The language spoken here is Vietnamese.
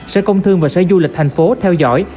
sẽ công thương và sẽ du lịch thành phố theo dõi